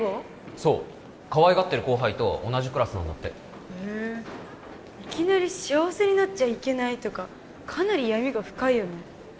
そうかわいがってる後輩と同じクラスなんだっていきなり幸せになっちゃいけないとかかなり闇が深いよね